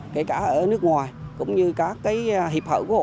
kể cả ở nước ngoài cũng như các hiệp hợp của đội